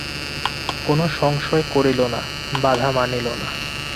কোনো সংশয় করিল না, বাধা মানিল না।